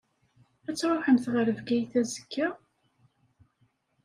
Ad tṛuḥemt ɣer Bgayet azekka?